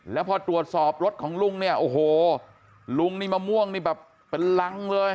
แล้วพอตรวจสอบรถของลุงลุงมะม่วงเป็นรังเลย